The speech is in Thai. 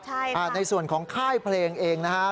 ใช่ค่ะในส่วนของค่ายเพลงเองนะฮะ